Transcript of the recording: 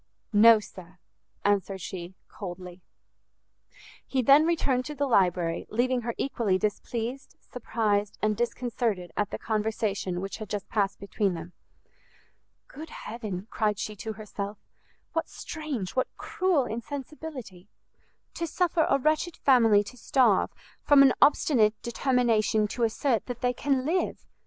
"No, sir," answered she, coldly. He then returned to the library, leaving her equally displeased, surprised, and disconcerted at the conversation which had just passed between them. "Good heaven," cried she to herself, "what strange, what cruel insensibility! to suffer a wretched family to starve, from an obstinate determination to assert that they can live!